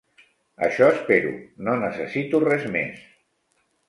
Això espero, no necessito res més.